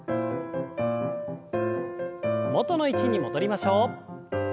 元の位置に戻りましょう。